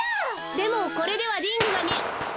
でもこれではリングがみえ。